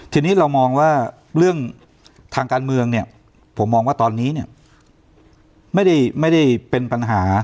ทีนี้เรามองว่าเรื่องทางการเมืองเนี่ยผมมองว่าตอนนี้เนี่ยไม่ได้เป็นปัญหา